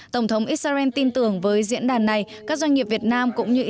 tổng thống israel tin tưởng với diễn đàn này các doanh nghiệp việt nam cũng như ý